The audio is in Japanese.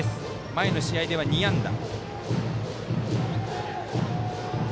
前の試合では２安打。